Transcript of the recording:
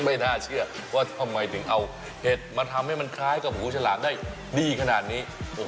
ไม่น่าเชื่อว่าทำไมถึงเอาเห็ดมาทำให้มันคล้ายกับหูฉลามได้ดีขนาดนี้